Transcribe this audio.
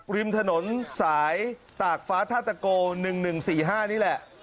ริมถนนสายตากฟ้าธาตะโก๑๑๔๕นี่แหละ